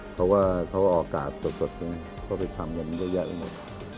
เขาออกกาศจดก็ไปทำกันเยอะแยะไปหมด